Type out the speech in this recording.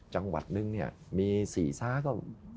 จังหวัดหนึ่งเนี่ยมีศรีศาสตร์ก็